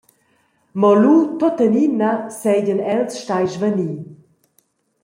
Mo lu tuttenina seigien els stai svani.